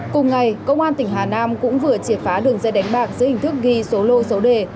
cùng ngày công an tỉnh hà nam cũng vừa triệt phá đường dây đánh bạc dưới hình thức ghi số lô số đề